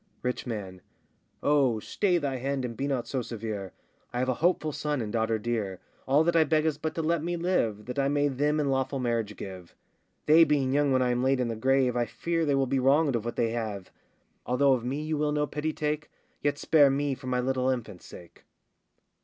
RICH MAN. Oh! stay thy hand and be not so severe, I have a hopeful son and daughter dear, All that I beg is but to let me live That I may them in lawful marriage give: They being young when I am laid in the grave, I fear they will be wronged of what they have: Although of me you will no pity take, Yet spare me for my little infants' sake.